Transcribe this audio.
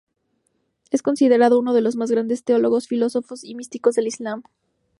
Es considerado uno de más grandes teólogos, filósofos y místicos del Islam.